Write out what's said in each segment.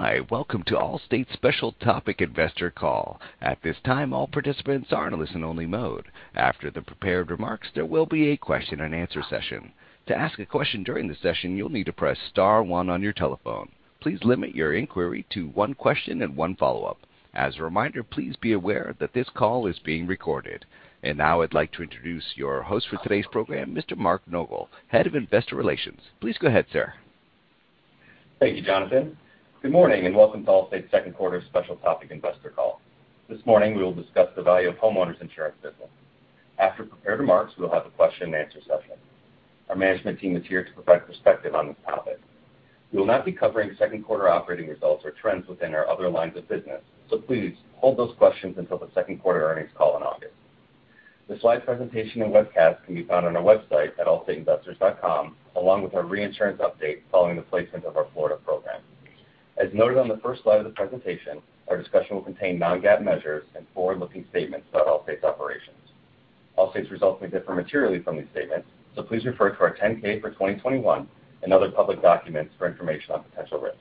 Hi, welcome to Allstate's Special Topic Investor Call. At this time, all participants are in listen only mode. After the prepared remarks, there will be a question and answer session. To ask a question during the session, you'll need to press star one on your telephone. Please limit your inquiry to one question and one follow-up. As a reminder, please be aware that this call is being recorded. Now I'd like to introduce your host for today's program, Mr. Mark Nogal, Head of Investor Relations. Please go ahead, sir. Thank you, Jonathan. Good morning and welcome to Allstate's second quarter Special Topic Investor Call. This morning, we will discuss the value of homeowners insurance business. After prepared remarks, we'll have a question and answer session. Our management team is here to provide perspective on this topic. We will not be covering second quarter operating results or trends within our other lines of business, so please hold those questions until the second quarter earnings call in August. The slide presentation and webcast can be found on our website at allstateinvestors.com, along with our reinsurance update following the placement of our Florida program. As noted on the first slide of the presentation, our discussion will contain non-GAAP measures and forward-looking statements about Allstate's operations. Allstate's results may differ materially from these statements, so please refer to our 10-K for 2021 and other public documents for information on potential risks.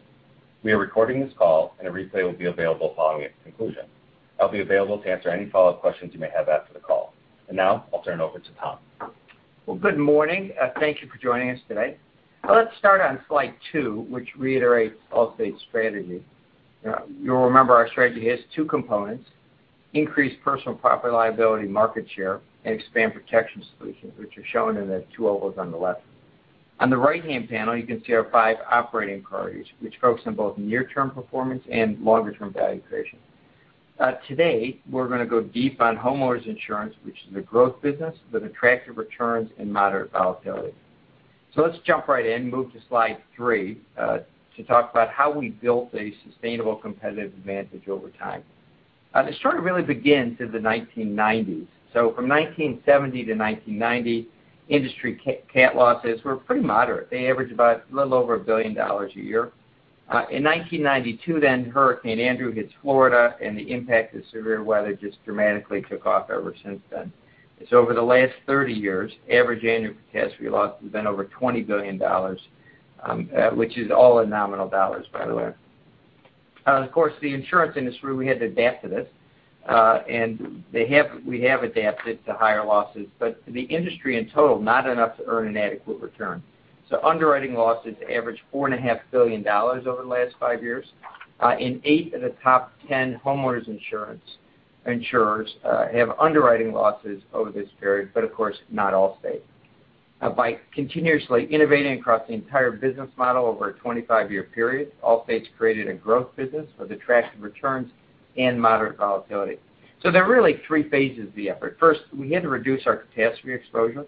We are recording this call, and a replay will be available following its conclusion. I'll be available to answer any follow-up questions you may have after the call. Now I'll turn it over to Thomas. Well, good morning. Thank you for joining us today. Let's start on slide 2, which reiterates Allstate's strategy. You'll remember our strategy has two components, increase personal property liability market share and expand protection solutions, which are shown in the two ovals on the left. On the right-hand panel, you can see our five operating priorities, which focus on both near term performance and longer term value creation. Today, we're gonna go deep on homeowners insurance, which is a growth business with attractive returns and moderate volatility. Let's jump right in. Move to slide 3, to talk about how we built a sustainable competitive advantage over time. The story really begins in the 1990s. From 1970 to 1990, industry cat losses were pretty moderate. They averaged about a little over $1 billion a year. In 1992, Hurricane Andrew hits Florida, and the impact of severe weather just dramatically took off ever since then. Over the last 30 years, average annual catastrophe loss has been over $20 billion, which is all in nominal dollars, by the way. Of course, the insurance industry, we had to adapt to this, and we have adapted to higher losses. The industry in total, not enough to earn an adequate return. Underwriting losses averaged $4.5 billion over the last 5 years. 8 of the top 10 homeowners insurance insurers have underwriting losses over this period, but of course, not Allstate. By continuously innovating across the entire business model over a 25-year period, Allstate's created a growth business with attractive returns and moderate volatility. There are really three phases of the effort. First, we had to reduce our catastrophe exposure.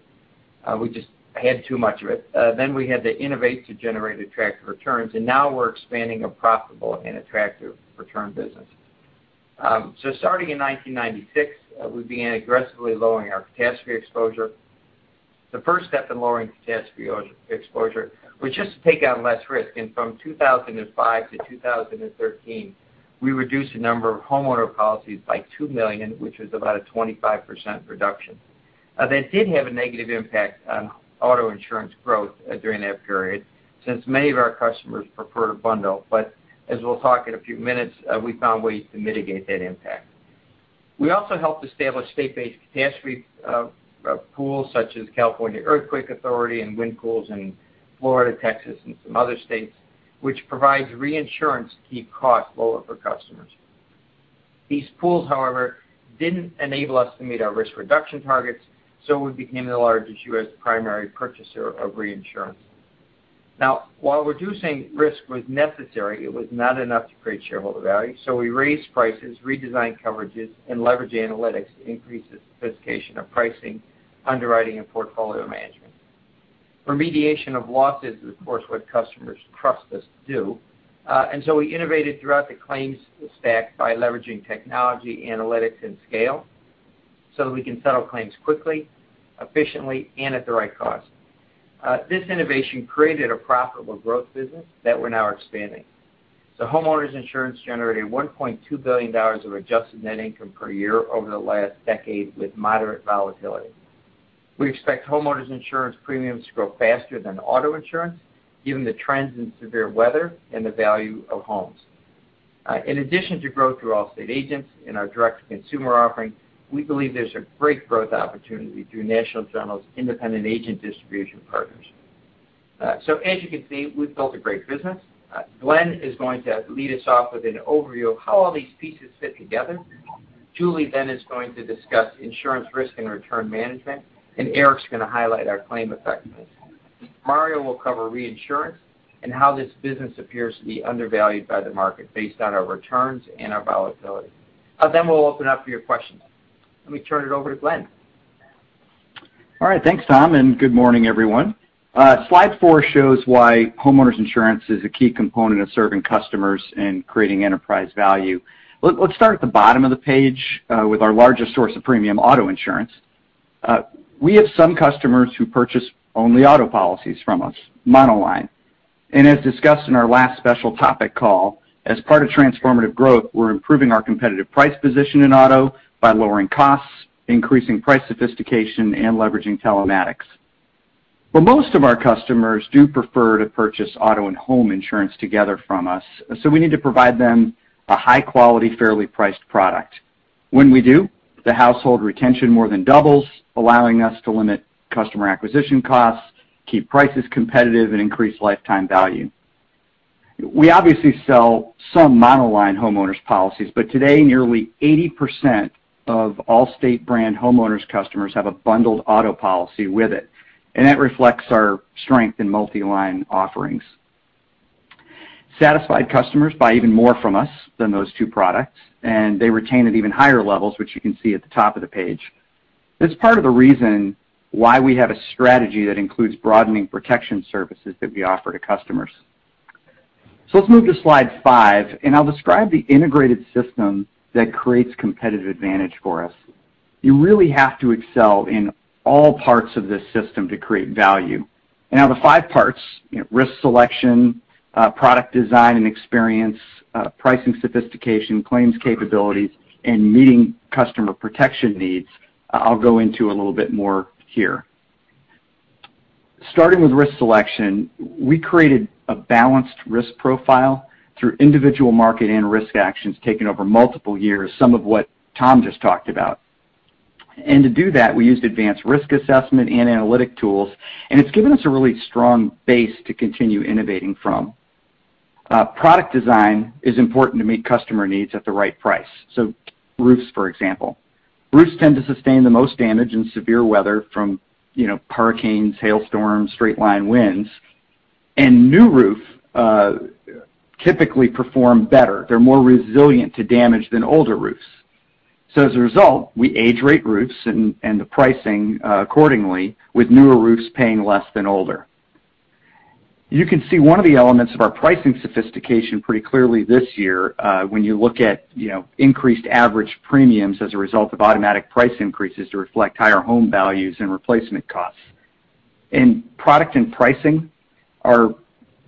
We just had too much of it. We had to innovate to generate attractive returns, and now we're expanding a profitable and attractive return business. Starting in 1996, we began aggressively lowering our catastrophe exposure. The first step in lowering catastrophe exposure was just to take out less risk. From 2005 to 2013, we reduced the number of homeowner policies by 2 million, which was about a 25% reduction. That did have a negative impact on auto insurance growth during that period, since many of our customers prefer to bundle. As we'll talk in a few minutes, we found ways to mitigate that impact. We also helped establish state-based catastrophe pools such as California Earthquake Authority and wind pools in Florida, Texas, and some other states, which provides reinsurance to keep costs lower for customers. These pools, however, didn't enable us to meet our risk reduction targets, so we became the largest U.S. primary purchaser of reinsurance. Now, while reducing risk was necessary, it was not enough to create shareholder value. We raised prices, redesigned coverages, and leveraged analytics to increase the sophistication of pricing, underwriting, and portfolio management. Remediation of losses is, of course, what customers trust us to do. We innovated throughout the claims stack by leveraging technology, analytics, and scale so that we can settle claims quickly, efficiently, and at the right cost. This innovation created a profitable growth business that we're now expanding. Homeowners insurance generated $1.2 billion of adjusted net income per year over the last decade with moderate volatility. We expect homeowners insurance premiums to grow faster than auto insurance, given the trends in severe weather and the value of homes. In addition to growth through Allstate agents and our direct to consumer offering, we believe there's a great growth opportunity through National General's independent agent distribution partners. As you can see, we've built a great business. Glenn is going to lead us off with an overview of how all these pieces fit together. Julie then is going to discuss insurance risk and return management, and Eric's gonna highlight our claim effectiveness. Mario will cover reinsurance and how this business appears to be undervalued by the market based on our returns and our volatility. We'll open up for your questions. Let me turn it over to Glenn Shapiro. All right, thanks, Thomas, and good morning, everyone. Slide 4 shows why Homeowners Insurance is a key component of serving customers and creating enterprise value. Let's start at the bottom of the page with our largest source of premium auto insurance. We have some customers who purchase only auto policies from us, monoline. As discussed in our last special topic call, as part of Transformative Growth, we're improving our competitive price position in auto by lowering costs, increasing price sophistication, and leveraging telematics. Well, most of our customers do prefer to purchase auto and home insurance together from us, so we need to provide them a high quality, fairly priced product. When we do, the household retention more than doubles, allowing us to limit customer acquisition costs, keep prices competitive, and increase lifetime value. We obviously sell some monoline homeowners policies, but today nearly 80% of Allstate brand homeowners customers have a bundled auto policy with it, and that reflects our strength in multi-line offerings. Satisfied customers buy even more from us than those two products, and they retain at even higher levels, which you can see at the top of the page. It's part of the reason why we have a strategy that includes broadening protection services that we offer to customers. Let's move to slide 5, and I'll describe the integrated system that creates competitive advantage for us. You really have to excel in all parts of this system to create value. Now the five parts, risk selection, product design and experience, pricing sophistication, claims capabilities, and meeting customer protection needs, I'll go into a little bit more here. Starting with risk selection, we created a balanced risk profile through individual market and risk actions taken over multiple years, some of what Thomas just talked about. To do that, we used advanced risk assessment and analytic tools, and it's given us a really strong base to continue innovating from. Product design is important to meet customer needs at the right price. Roofs, for example. Roofs tend to sustain the most damage in severe weather from, you know, hurricanes, hailstorms, straight-line winds. New roof typically perform better. They're more resilient to damage than older roofs. As a result, we age rate roofs and the pricing accordingly, with newer roofs paying less than older. You can see one of the elements of our pricing sophistication pretty clearly this year, when you look at, you know, increased average premiums as a result of automatic price increases to reflect higher home values and replacement costs. Product and pricing are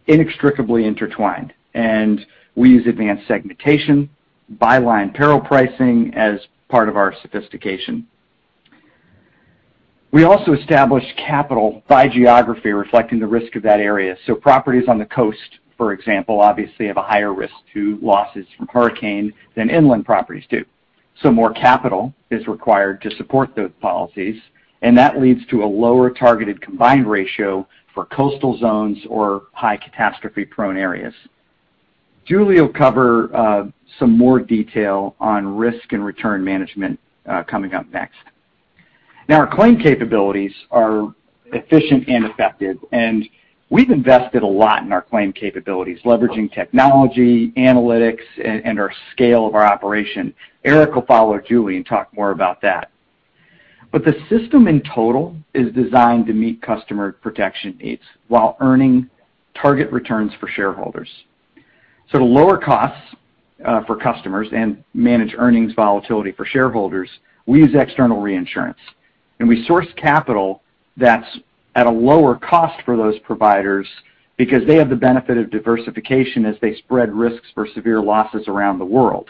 inextricably intertwined, and we use advanced segmentation, by-peril pricing as part of our sophistication. We also establish capital by geography reflecting the risk of that area. Properties on the coast, for example, obviously have a higher risk to losses from hurricane than inland properties do. More capital is required to support those policies, and that leads to a lower targeted combined ratio for coastal zones or high catastrophe-prone areas. Julie will cover some more detail on risk and return management coming up next. Our claim capabilities are efficient and effective, and we've invested a lot in our claim capabilities, leveraging technology, analytics, and our scale of our operation. Eric will follow Julie and talk more about that. The system in total is designed to meet customer protection needs while earning target returns for shareholders. To lower costs for customers and manage earnings volatility for shareholders, we use external reinsurance, and we source capital that's at a lower cost for those providers because they have the benefit of diversification as they spread risks for severe losses around the world.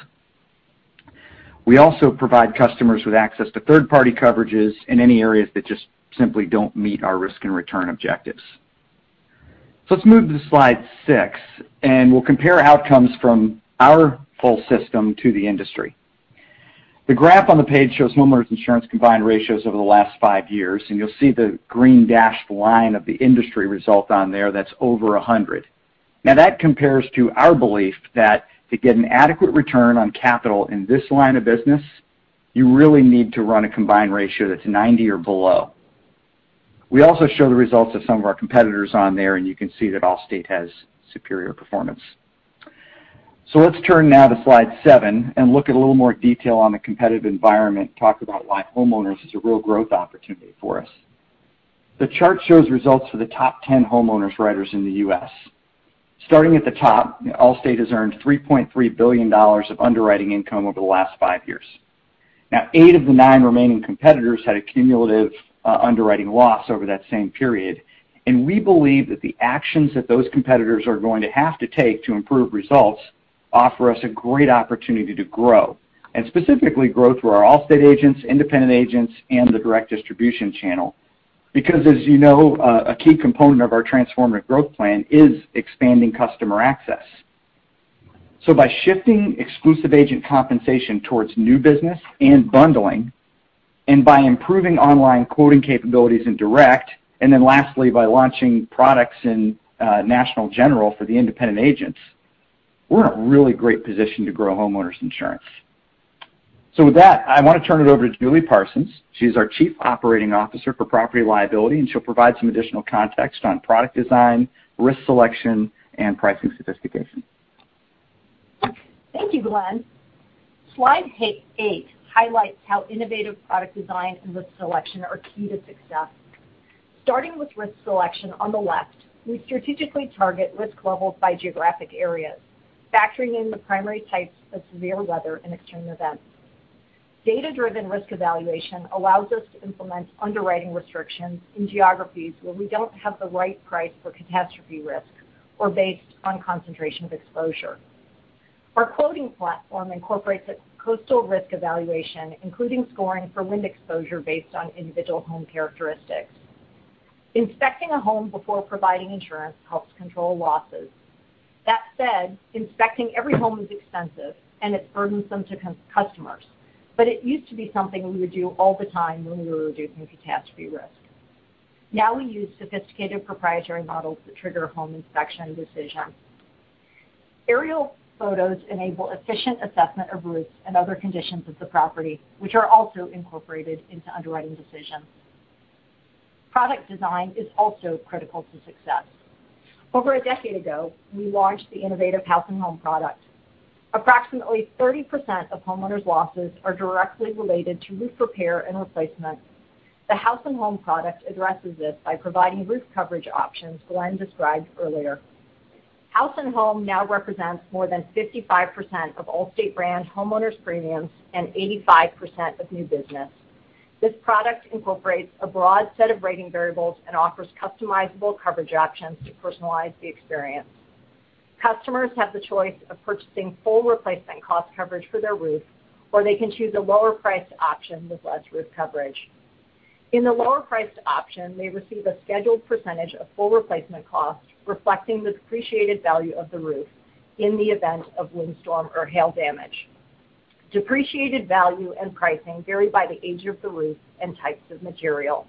We also provide customers with access to third-party coverages in any areas that just simply don't meet our risk and return objectives. Let's move to slide 6, and we'll compare outcomes from our full system to the industry. The graph on the page shows homeowners insurance combined ratios over the last 5 years, and you'll see the green dashed line of the industry result on there that's over 100. Now that compares to our belief that to get an adequate return on capital in this line of business, you really need to run a combined ratio that's 90 or below. We also show the results of some of our competitors on there, and you can see that Allstate has superior performance. Let's turn now to slide 7 and look at a little more detail on the competitive environment, talk about why homeowners is a real growth opportunity for us. The chart shows results for the top 10 homeowners writers in the U.S. Starting at the top, Allstate has earned $3.3 billion of underwriting income over the last five years. Now, eight of the nine remaining competitors had a cumulative underwriting loss over that same period. We believe that the actions that those competitors are going to have to take to improve results offer us a great opportunity to grow, and specifically grow through our Allstate agents, independent agents, and the direct distribution channel. Because as you know, a key component of our Transformative Growth plan is expanding customer access. By shifting exclusive agent compensation towards new business and bundling, and by improving online quoting capabilities in direct, and then lastly, by launching products in National General for the independent agents, we're in a really great position to grow homeowners insurance. With that, I want to turn it over to Julie Parsons. She's our Chief Operating Officer for Property and Liability, and she'll provide some additional context on product design, risk selection, and pricing sophistication. Thank you, Glenn. Slide 8 highlights how innovative product design and risk selection are key to success. Starting with risk selection on the left, we strategically target risk levels by geographic areas, factoring in the primary types of severe weather and extreme events. Data-driven risk evaluation allows us to implement underwriting restrictions in geographies where we don't have the right price for catastrophe risk or based on concentration of exposure. Our quoting platform incorporates a coastal risk evaluation, including scoring for wind exposure based on individual home characteristics. Inspecting a home before providing insurance helps control losses. That said, inspecting every home is expensive, and it's burdensome to customers. It used to be something we would do all the time when we were reducing catastrophe risk. Now we use sophisticated proprietary models to trigger a home inspection decision. Aerial photos enable efficient assessment of roofs and other conditions of the property, which are also incorporated into underwriting decisions. Product design is also critical to success. Over a decade ago, we launched the innovative House & Home product. Approximately 30% of homeowners' losses are directly related to roof repair and replacement. The House & Home product addresses this by providing roof coverage options Glenn described earlier. House & Home now represents more than 55% of Allstate brand homeowners' premiums and 85% of new business. This product incorporates a broad set of rating variables and offers customizable coverage options to personalize the experience. Customers have the choice of purchasing full replacement cost coverage for their roof, or they can choose a lower-priced option with less roof coverage. In the lower-priced option, they receive a scheduled percentage of full replacement cost reflecting the depreciated value of the roof in the event of windstorm or hail damage. Depreciated value and pricing vary by the age of the roof and types of material.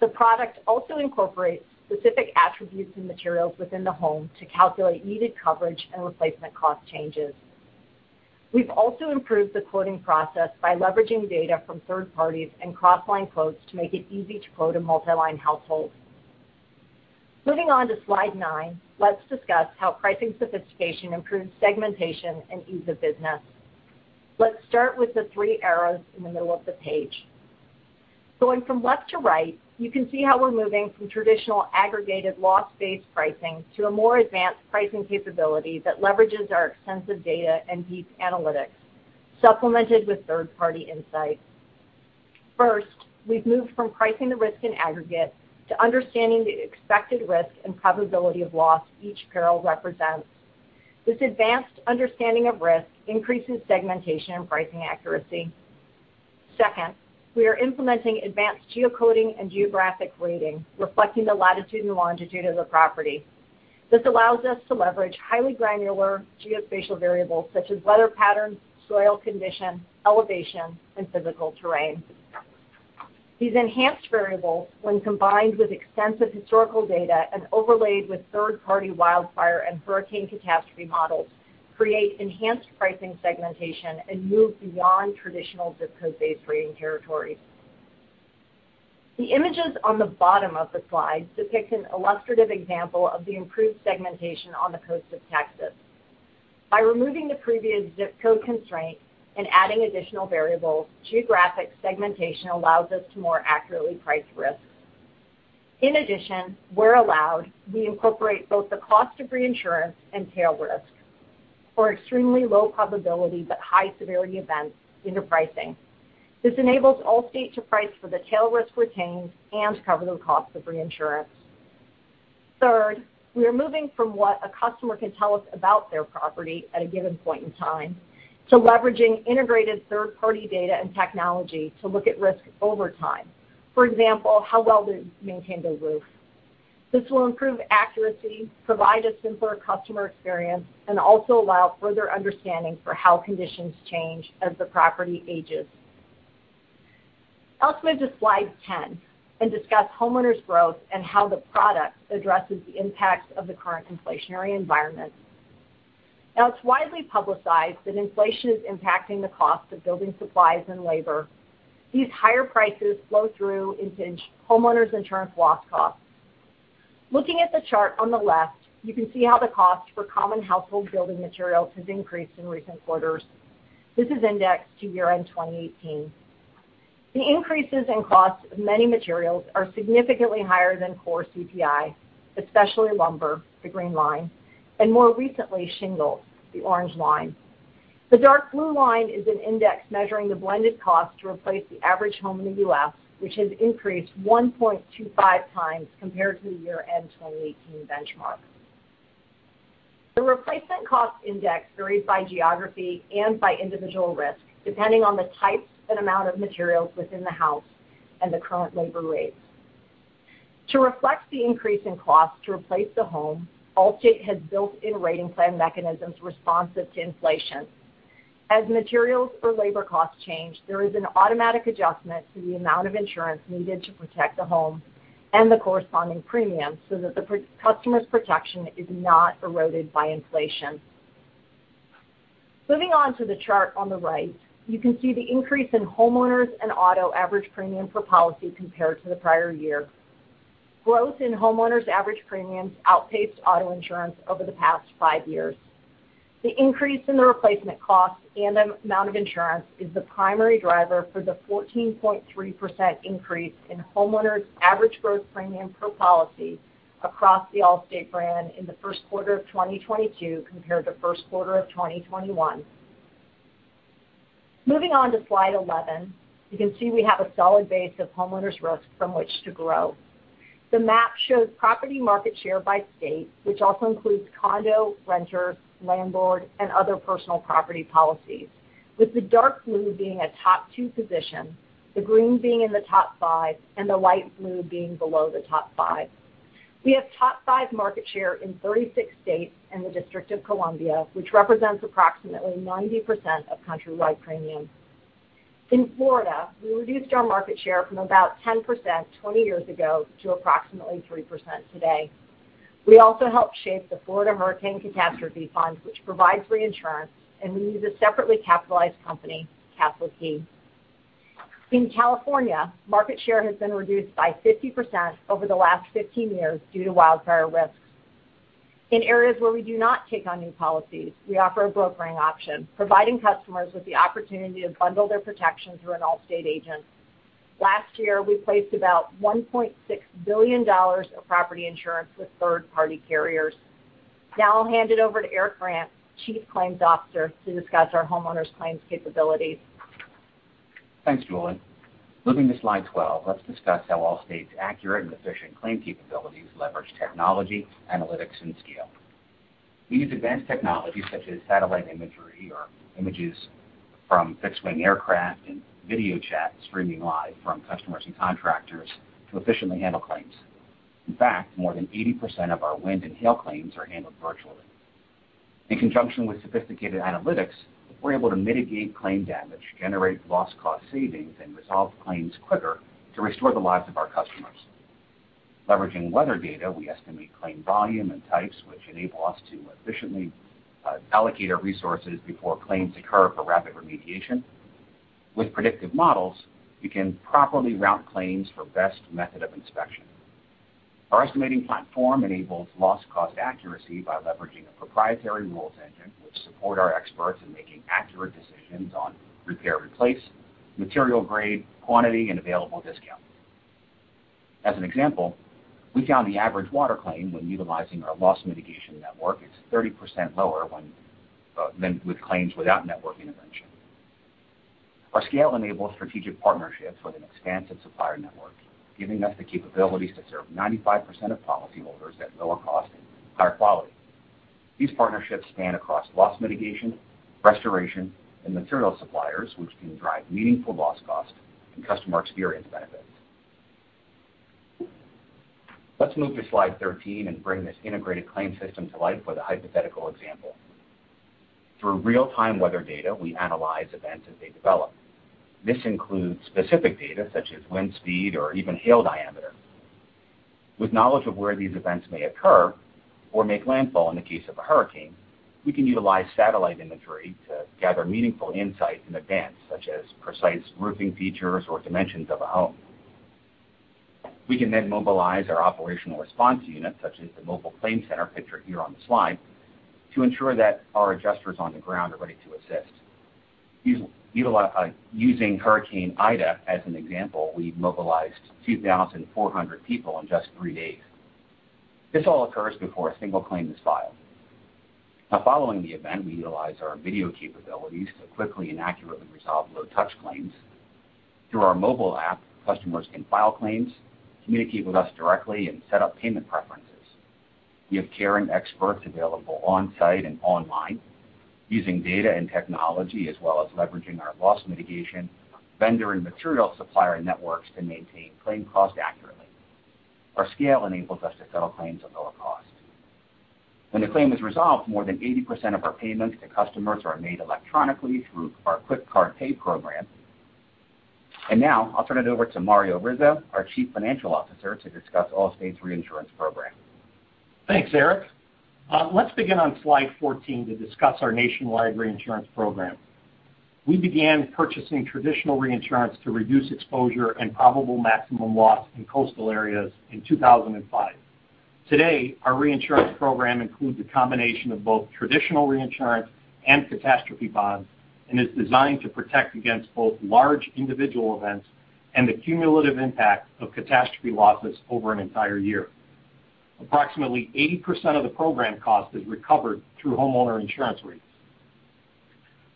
The product also incorporates specific attributes and materials within the home to calculate needed coverage and replacement cost changes. We've also improved the quoting process by leveraging data from third parties and cross-line quotes to make it easy to quote a multiline household. Moving on to slide 9, let's discuss how pricing sophistication improves segmentation and ease of business. Let's start with the 3 arrows in the middle of the page. Going from left to right, you can see how we're moving from traditional aggregated loss-based pricing to a more advanced pricing capability that leverages our extensive data and deep analytics, supplemented with third-party insights. First, we've moved from pricing the risk in aggregate to understanding the expected risk and probability of loss each peril represents. This advanced understanding of risk increases segmentation and pricing accuracy. Second, we are implementing advanced geocoding and geographic rating, reflecting the latitude and longitude of the property. This allows us to leverage highly granular geospatial variables such as weather patterns, soil condition, elevation, and physical terrain. These enhanced variables, when combined with extensive historical data and overlaid with third-party wildfire and hurricane catastrophe models, create enhanced pricing segmentation and move beyond traditional ZIP code-based rating territories. The images on the bottom of the slide depict an illustrative example of the improved segmentation on the coast of Texas. By removing the previous ZIP code constraints and adding additional variables, geographic segmentation allows us to more accurately price risk. In addition, where allowed, we incorporate both the cost of reinsurance and tail risk for extremely low probability but high-severity events into pricing. This enables Allstate to price for the tail risk retained and cover the cost of reinsurance. Third, we are moving from what a customer can tell us about their property at a given point in time to leveraging integrated third-party data and technology to look at risk over time. For example, how well they maintain their roof. This will improve accuracy, provide a simpler customer experience, and also allow further understanding for how conditions change as the property ages. Now let's move to slide 10 and discuss homeowners' growth and how the product addresses the impacts of the current inflationary environment. Now it's widely publicized that inflation is impacting the cost of building supplies and labor. These higher prices flow through into homeowners' insurance loss costs. Looking at the chart on the left, you can see how the cost for common household building materials has increased in recent quarters. This is indexed to year-end 2018. The increases in costs of many materials are significantly higher than core CPI, especially lumber, the green line, and more recently, shingles, the orange line. The dark blue line is an index measuring the blended cost to replace the average home in the U.S., which has increased 1.25 times compared to the year-end 2018 benchmark. The replacement cost index varies by geography and by individual risk, depending on the types and amount of materials within the house and the current labor rates. To reflect the increase in costs to replace the home, Allstate has built-in rating plan mechanisms responsive to inflation. As materials or labor costs change, there is an automatic adjustment to the amount of insurance needed to protect the home and the corresponding premium so that the customer's protection is not eroded by inflation. Moving on to the chart on the right, you can see the increase in homeowners and auto average premium per policy compared to the prior year. Growth in homeowners' average premiums outpaced auto insurance over the past five years. The increase in the replacement cost and amount of insurance is the primary driver for the 14.3% increase in homeowners' average gross premium per policy across the Allstate brand in the first quarter of 2022 compared to first quarter of 2021. Moving on to slide 11. You can see we have a solid base of homeowners risk from which to grow. The map shows property market share by state, which also includes condo, renter, landlord, and other personal property policies. With the dark blue being a top two position, the green being in the top five, and the light blue being below the top five. We have top five market share in 36 states and the District of Columbia, which represents approximately 90% of countrywide premium. In Florida, we reduced our market share from about 10% 20 years ago to approximately 3% today. We also helped shape the Florida Hurricane Catastrophe Fund, which provides reinsurance, and we use a separately capitalized company, Castle Key. In California, market share has been reduced by 50% over the last 15 years due to wildfire risks. In areas where we do not take on new policies, we offer a brokering option, providing customers with the opportunity to bundle their protection through an Allstate agent. Last year, we placed about $1.6 billion of property insurance with third-party carriers. Now I'll hand it over to Eric Brandt, Chief Claims Officer, to discuss our homeowners claims capabilities. Thanks, Julie. Moving to slide 12. Let's discuss how Allstate's accurate and efficient claim capabilities leverage technology, analytics, and scale. We use advanced technologies such as satellite imagery or images from fixed-wing aircraft and video chat streaming live from customers and contractors to efficiently handle claims. In fact, more than 80% of our wind and hail claims are handled virtually. In conjunction with sophisticated analytics, we're able to mitigate claim damage, generate loss cost savings, and resolve claims quicker to restore the lives of our customers. Leveraging weather data, we estimate claim volume and types, which enable us to efficiently allocate our resources before claims occur for rapid remediation. With predictive models, we can properly route claims for best method of inspection. Our estimating platform enables loss cost accuracy by leveraging a proprietary rules engine, which support our experts in making accurate decisions on repair, replace, material grade, quantity, and available discount. As an example, we found the average water claim when utilizing our loss mitigation network is 30% lower than with claims without network intervention. Our scale enables strategic partnerships with an expansive supplier network, giving us the capabilities to serve 95% of policyholders at lower cost and higher quality. These partnerships span across loss mitigation, restoration, and material suppliers, which can drive meaningful loss cost and customer experience benefits. Let's move to slide 13 and bring this integrated claim system to life with a hypothetical example. Through real-time weather data, we analyze events as they develop. This includes specific data such as wind speed or even hail diameter. With knowledge of where these events may occur or make landfall in the case of a hurricane, we can utilize satellite imagery to gather meaningful insights in advance, such as precise roofing features or dimensions of a home. We can then mobilize our operational response unit, such as the mobile claim center pictured here on the slide, to ensure that our adjusters on the ground are ready to assist. Using Hurricane Ida as an example, we mobilized 2,400 people in just three days. This all occurs before a single claim is filed. Now following the event, we utilize our video capabilities to quickly and accurately resolve low-touch claims. Through our mobile app, customers can file claims, communicate with us directly, and set up payment preferences. We have caring experts available on-site and online using data and technology, as well as leveraging our loss mitigation, vendor, and material supplier networks to maintain claim cost accurately. Our scale enables us to settle claims at lower cost. When the claim is resolved, more than 80% of our payments to customers are made electronically through our QuickCard Pay program. Now I'll turn it over to Mario Rizzo, our Chief Financial Officer, to discuss Allstate's reinsurance program. Thanks, Eric. Let's begin on slide 14 to discuss our nationwide reinsurance program. We began purchasing traditional reinsurance to reduce exposure and probable maximum loss in coastal areas in 2005. Today, our reinsurance program includes a combination of both traditional reinsurance and catastrophe bonds and is designed to protect against both large individual events and the cumulative impact of catastrophe losses over an entire year. Approximately 80% of the program cost is recovered through homeowner insurance rates.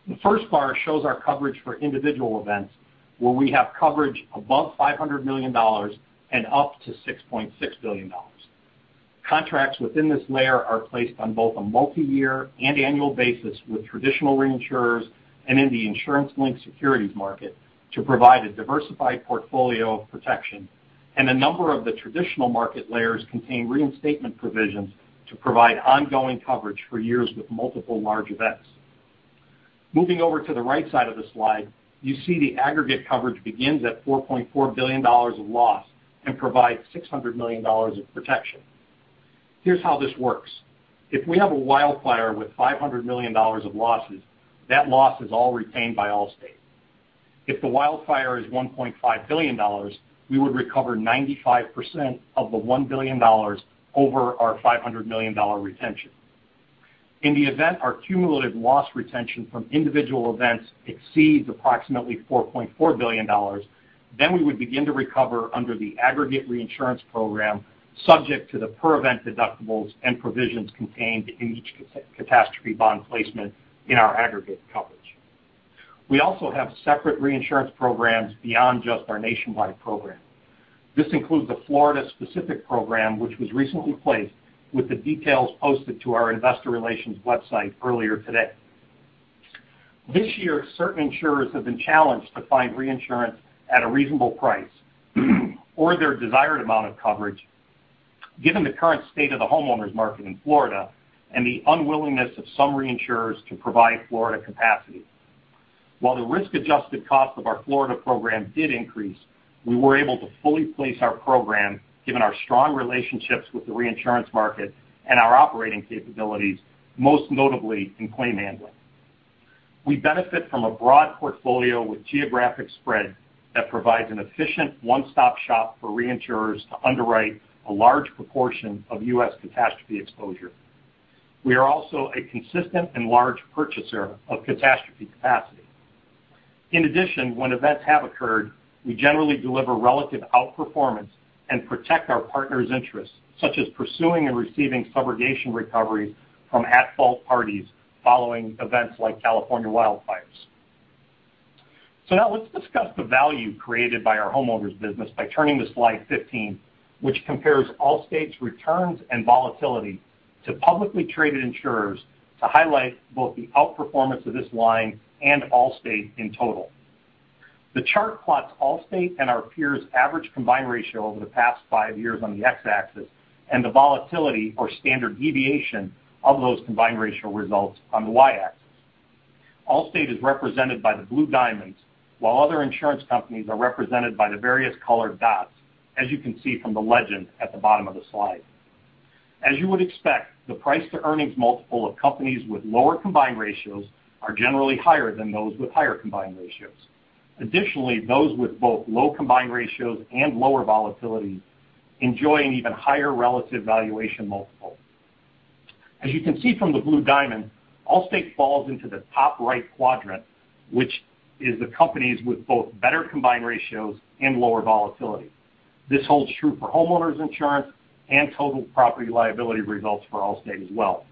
The first bar shows our coverage for individual events where we have coverage above $500 million and up to $6.6 billion. Contracts within this layer are placed on both a multi-year and annual basis with traditional reinsurers and in the insurance-linked securities market to provide a diversified portfolio of protection. A number of the traditional market layers contain reinstatement provisions to provide ongoing coverage for years with multiple large events. Moving over to the right side of the slide, you see the aggregate coverage begins at $4.4 billion of loss and provides $600 million of protection. Here's how this works. If we have a wildfire with $500 million of losses, that loss is all retained by Allstate. If the wildfire is $1.5 billion, we would recover 95% of the $1 billion over our $500 million retention. In the event our cumulative loss retention from individual events exceeds approximately $4.4 billion, then we would begin to recover under the aggregate reinsurance program. Subject to the per event deductibles and provisions contained in each catastrophe bond placement in our aggregate coverage. We also have separate reinsurance programs beyond just our nationwide program. This includes the Florida specific program, which was recently placed with the details posted to our investor relations website earlier today. This year, certain insurers have been challenged to find reinsurance at a reasonable price or their desired amount of coverage given the current state of the homeowners market in Florida and the unwillingness of some reinsurers to provide Florida capacity. While the risk-adjusted cost of our Florida program did increase, we were able to fully place our program given our strong relationships with the reinsurance market and our operating capabilities, most notably in claim handling. We benefit from a broad portfolio with geographic spread that provides an efficient one-stop shop for reinsurers to underwrite a large proportion of U.S. catastrophe exposure. We are also a consistent and large purchaser of catastrophe capacity. In addition, when events have occurred, we generally deliver relative outperformance and protect our partners' interests, such as pursuing and receiving subrogation recoveries from at-fault parties following events like California wildfires. Now let's discuss the value created by our homeowners business by turning to slide 15, which compares Allstate's returns and volatility to publicly traded insurers to highlight both the outperformance of this line and Allstate in total. The chart plots Allstate and our peers' average combined ratio over the past 5 years on the X-axis, and the volatility or standard deviation of those combined ratio results on the Y-axis. Allstate is represented by the blue diamonds, while other insurance companies are represented by the various colored dots, as you can see from the legend at the bottom of the slide. As you would expect, the price-to-earnings multiple of companies with lower combined ratios are generally higher than those with higher combined ratios. Additionally, those with both low combined ratios and lower volatility enjoying even higher relative valuation multiples. As you can see from the blue diamond, Allstate falls into the top right quadrant, which is the companies with both better combined ratios and lower volatility. This holds true for homeowners insurance and total property-liability results for Allstate as well.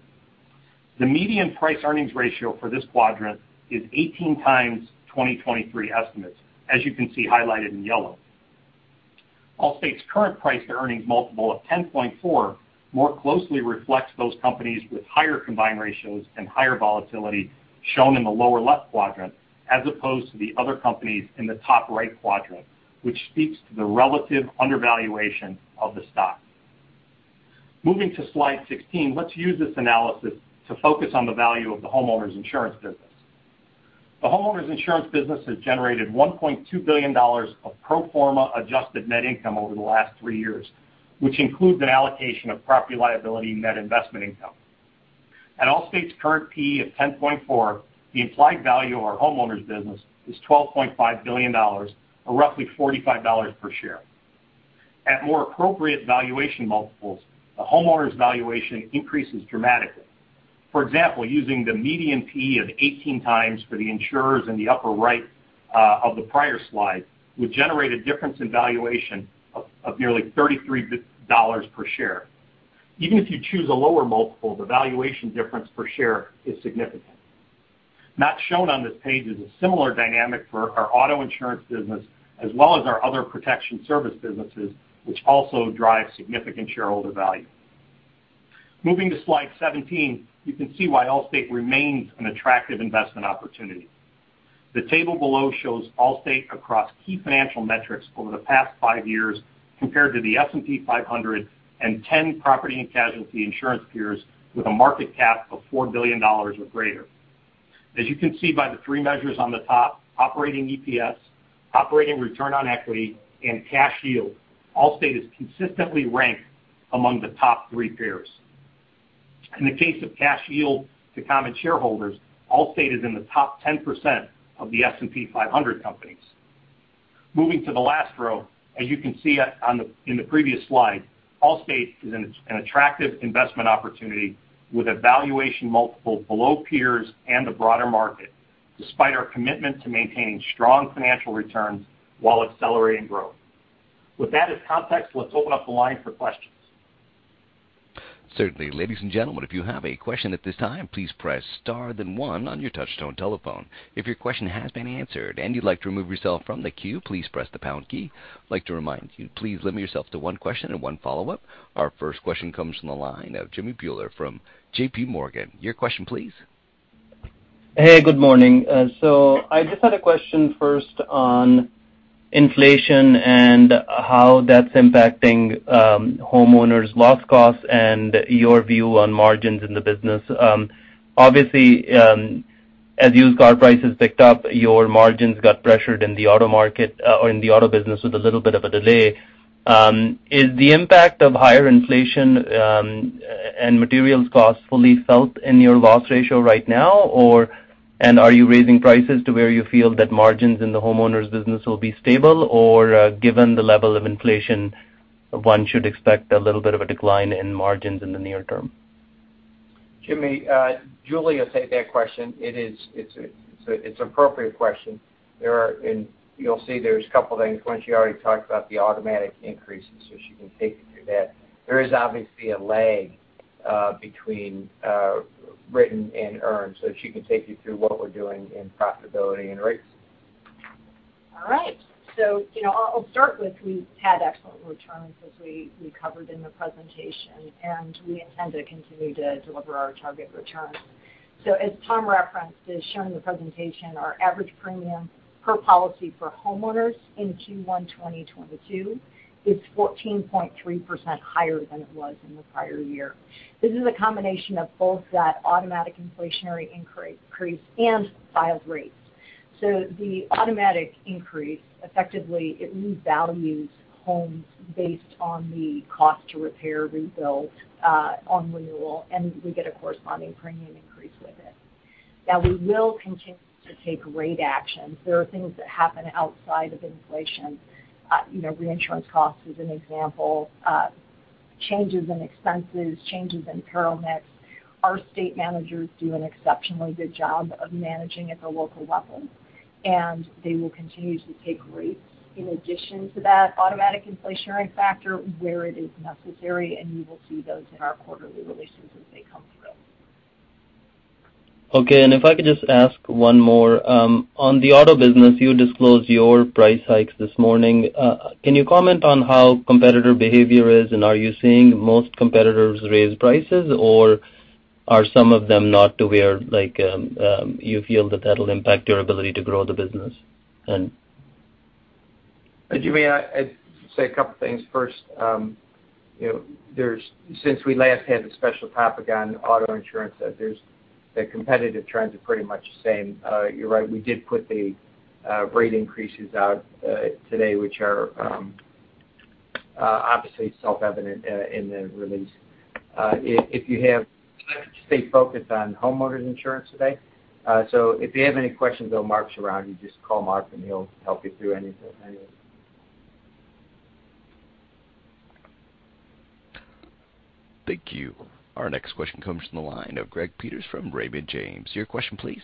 The median price-earnings ratio for this quadrant is 18x 2023 estimates, as you can see highlighted in yellow. Allstate's current price-to-earnings multiple of 10.4 more closely reflects those companies with higher combined ratios and higher volatility shown in the lower left quadrant, as opposed to the other companies in the top right quadrant, which speaks to the relative undervaluation of the stock. Moving to slide 16, let's use this analysis to focus on the value of the homeowners insurance business. The homeowners insurance business has generated $1.2 billion of pro forma adjusted net income over the last three years, which includes an allocation of Property-Liability net investment income. At Allstate's current P/E of 10.4, the implied value of our homeowners business is $12.5 billion, or roughly $45 per share. At more appropriate valuation multiples, the homeowners valuation increases dramatically. For example, using the median P/E of 18x for the insurers in the upper right of the prior slide would generate a difference in valuation of nearly $33 billion per share. Even if you choose a lower multiple, the valuation difference per share is significant. Not shown on this page is a similar dynamic for our auto insurance business as well as our other protection service businesses, which also drive significant shareholder value. Moving to slide 17, you can see why Allstate remains an attractive investment opportunity. The table below shows Allstate across key financial metrics over the past five years compared to the S&P 500 and 10 property and casualty insurance peers with a market cap of $4 billion or greater. As you can see by the three measures on the top, operating EPS, operating return on equity, and cash yield, Allstate is consistently ranked among the top three peers. In the case of cash yield to common shareholders, Allstate is in the top 10% of the S&P 500 companies. Moving to the last row, as you can see in the previous slide, Allstate is an attractive investment opportunity with a valuation multiple below peers and the broader market, despite our commitment to maintaining strong financial returns while accelerating growth. With that as context, let's open up the line for questions. Certainly. Ladies and gentlemen, if you have a question at this time, please press star then one on your touch tone telephone. If your question has been answered and you'd like to remove yourself from the queue, please press the pound key. I'd like to remind you, please limit yourself to one question and one follow-up. Our first question comes from the line of Jamminder Singh Bhullar from JPMorgan. Your question, please. Hey, good morning. So I just had a question first on inflation and how that's impacting homeowners' loss costs and your view on margins in the business. Obviously, as used car prices picked up, your margins got pressured in the auto market or in the auto business with a little bit of a delay. Is the impact of higher inflation and materials costs fully felt in your loss ratio right now, and are you raising prices to where you feel that margins in the homeowners business will be stable? Or, given the level of inflation, one should expect a little bit of a decline in margins in the near term? JimminderJulie will take that question. It's an appropriate question. You'll see there's a couple things. One, she already talked about the automatic increases, so she can take you through that. There is obviously a lag between written and earned, so she can take you through what we're doing in profitability and rates. All right. You know, I'll start with we've had excellent returns as we covered in the presentation, and we intend to continue to deliver our target returns. As Thomas referenced, as shown in the presentation, our average premium per policy for homeowners in Q1 2022 is 14.3% higher than it was in the prior year. This is a combination of both that automatic inflationary increase and filed rates. The automatic increase, effectively, it revalues homes based on the cost to repair, rebuild on renewal, and we get a corresponding premium increase with it. Now, we will continue to take rate actions. There are things that happen outside of inflation, you know, reinsurance costs is an example, changes in expenses, changes in peril mix. Our state managers do an exceptionally good job of managing at the local level, and they will continue to take rates in addition to that automatic inflationary factor where it is necessary, and you will see those in our quarterly releases as they come through. Okay. If I could just ask one more. On the auto business, you disclosed your price hikes this morning. Can you comment on how competitor behavior is, and are you seeing most competitors raise prices, or are some of them not to where you feel that that'll impact your ability to grow the business? Jimmy, I'd say a couple things. First, you know, since we last had the special topic on auto insurance, the competitive trends are pretty much the same. You're right, we did put the rate increases out today, which are obviously self-evident in the release. I'd like to stay focused on homeowners insurance today. If you have any questions on Mark's round, you just call Mark, and he'll help you through any of it. Thank you. Our next question comes from the line of Gregory Peters from Raymond James. Your question, please.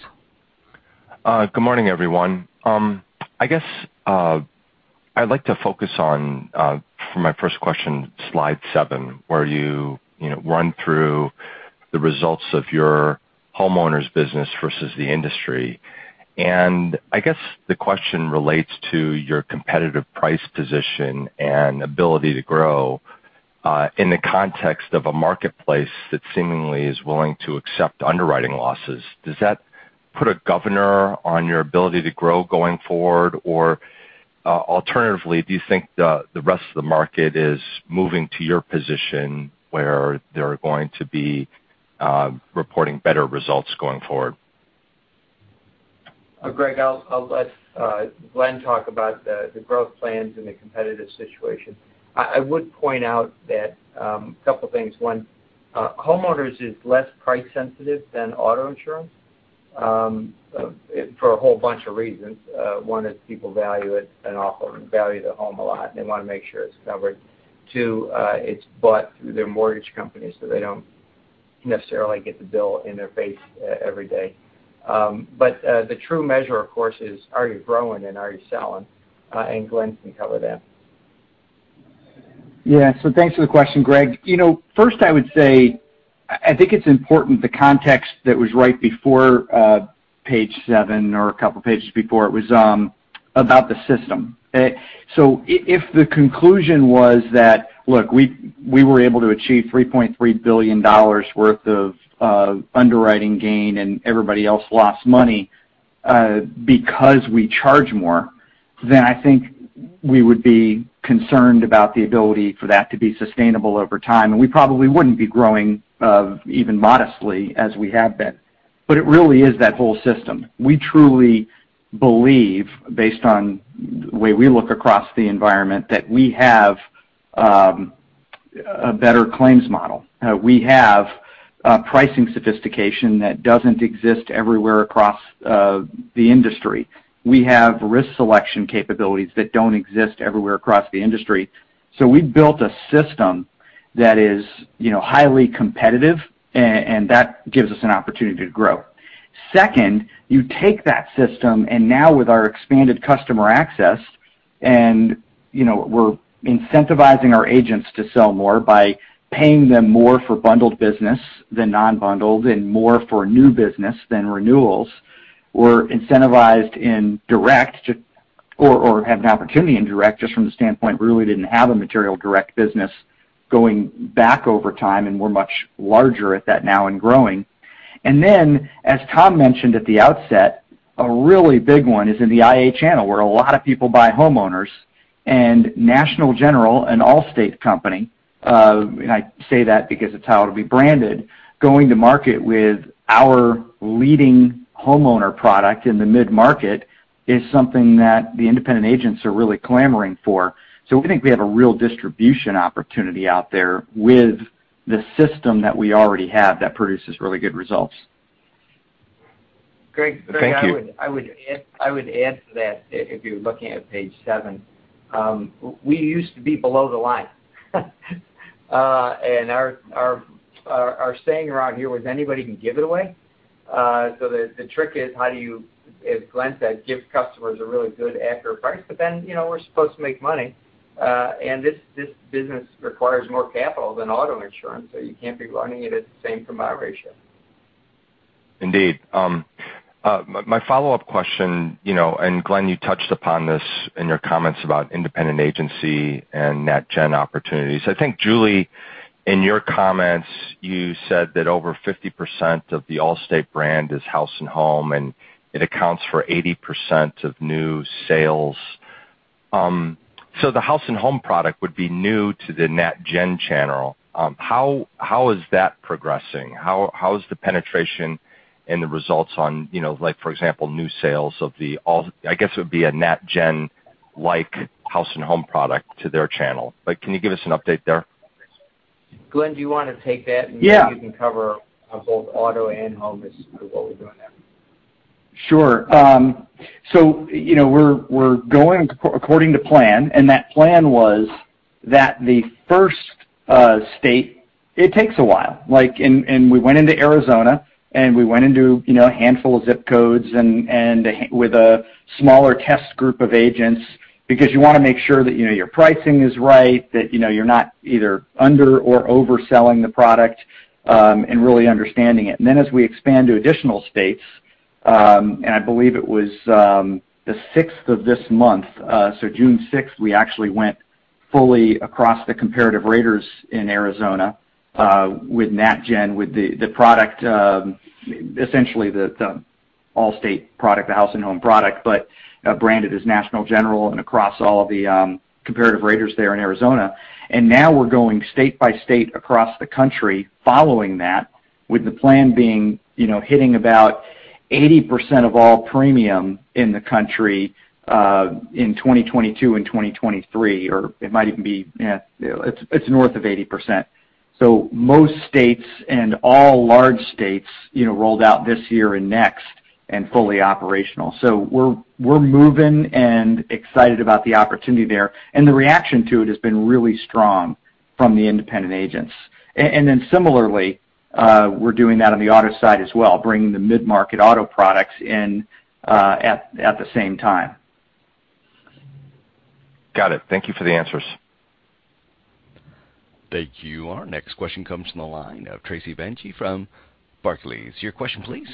Good morning, everyone. I guess I'd like to focus on for my first question, slide seven, where you know run through the results of your homeowners business versus the industry. I guess the question relates to your competitive price position and ability to grow in the context of a marketplace that seemingly is willing to accept underwriting losses. Does that put a governor on your ability to grow going forward? Or alternatively, do you think the rest of the market is moving to your position where they're going to be reporting better results going forward? Gregory, I'll let Glenn talk about the growth plans and the competitive situation. I would pint out that a couple things. One, homeowners is less price sensitive than auto insurance for a whole bunch of reasons. One is people value their home a lot. They wanna make sure it's covered. Two, it's bought through their mortgage company, so they don't necessarily get the bill in their face every day. The true measure, of course, is are you growing and are you selling? Glenn can cover that. Yeah. Thanks for the question, Gregory. You know, first I would say, I think it's important the context that was right before, page seven or a couple pages before. It was about the system. If the conclusion was that, look, we were able to achieve $3.3 billion worth of underwriting gain, and everybody else lost money because we charge more, then I think we would be concerned about the ability for that to be sustainable over time. We probably wouldn't be growing even modestly as we have been. It really is that whole system. We truly believe, based on the way we look across the environment, that we have a better claims model. We have a pricing sophistication that doesn't exist everywhere across the industry. We have risk selection capabilities that don't exist everywhere across the industry. We've built a system that is, you know, highly competitive, and that gives us an opportunity to grow. Second, you take that system, and now with our expanded customer access, and, you know, we're incentivizing our agents to sell more by paying them more for bundled business than non-bundled and more for new business than renewals. We're incentivized in direct or have an opportunity in direct, just from the standpoint we really didn't have a material direct business going back over time, and we're much larger at that now and growing. As Thomas mentioned at the outset, a really big one is in the IA channel, where a lot of people buy homeowners. National General, an Allstate company, and I say that because it's how it'll be branded, going to market with our leading homeowner product in the mid-market is something that the independent agents are really clamoring for. We think we have a real distribution opportunity out there with the system that we already have that produces really good results. Gregory, I would add to that if you're looking at page seven, we used to be below the line. Our saying around here was anybody can give it away. The trick is how do you, as Glenn said, give customers a really good, accurate price, but then, you know, we're supposed to make money. This business requires more capital than auto insurance, so you can't be running it at the same combined ratio. Indeed. My follow-up question, you know, and Glenn, you touched upon this in your comments about independent agency and National General opportunities. I think, Julie, in your comments, you said that over 50% of the Allstate brand is House & Home, and it accounts for 80% of new sales. So the House & Home product would be new to theNational General channel. How is that progressing? How is the penetration and the results on, you know, like for example, new sales I guess it would be a National General-like House & Home product to their channel. Like, can you give us an update there? Glenn, do you wanna take that? Yeah. Maybe you can cover both auto and home as to what we're doing there. Sure. So, you know, we're going according to plan, and that plan was that the first state, it takes a while. Like, we went into Arizona, and we went into, you know, a handful of zip codes and with a smaller test group of agents because you wanna make sure that, you know, your pricing is right, that, you know, you're not either under or overselling the product, and really understanding it. Then as we expand to additional states, and I believe it was the sixth of this month, so June sixth, we actually went fully across the comparative raters in Arizona with National General, with the product, essentially the Allstate product, the House & Home product, but branded as National General and across all of the comparative raters there in Arizona. Now we're going state by state across the country following that, with the plan being, you know, hitting about 80% of all premium in the country, in 2022 and 2023, or it might even be, you know, it's north of 80%. Most states and all large states, you know, rolled out this year and next and fully operational. We're moving and excited about the opportunity there, and the reaction to it has been really strong from the independent agents. And then similarly, we're doing that on the auto side as well, bringing the mid-market auto products in, at the same time. Got it. Thank you for the answers. Thank you. Our next question comes from the line of Tracy Benguigui from Barclays. Your question, please.